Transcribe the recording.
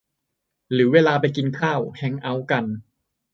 หรือเวลาไปกินข้าว แฮงก์เอาต์กัน